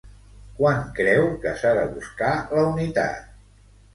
Quan creu que s'ha de buscar la unitat?